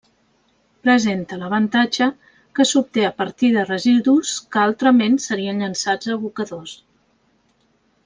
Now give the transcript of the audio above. Presenta l'avantatge que s'obté a partir de residus que altrament serien llençats a abocadors.